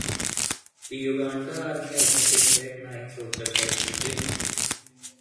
The Uganda Army admitted that nine soldiers had been killed.